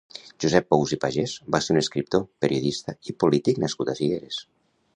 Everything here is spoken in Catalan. Josep Pous i Pagès va ser un escriptor, periodista i polític nascut a Figueres.